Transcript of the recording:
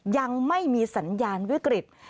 ยังไม่มีสัญญาณวิกฤต